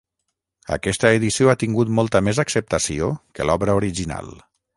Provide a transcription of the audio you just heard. Aquesta edició ha tingut molta més acceptació que l'obra original.